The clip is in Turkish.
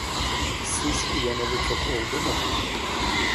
Siz uyanalı çok oldu mu?